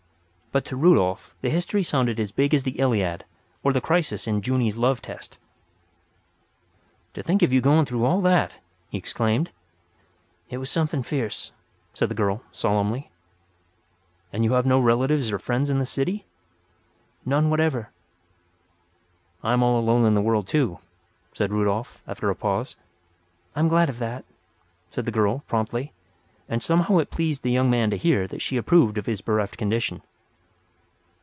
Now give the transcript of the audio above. But to Rudolf the history sounded as big as the Iliad or the crisis in "Junie's Love Test." "To think of you going through all that," he exclaimed. "It was something fierce," said the girl, solemnly. "And you have no relatives or friends in the city?" "None whatever." "I am all alone in the world, too," said Rudolf, after a pause. "I am glad of that," said the girl, promptly; and somehow it pleased the young man to hear that she approved of his bereft condition.